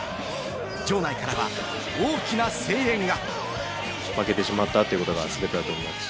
場内からは大きな声援が。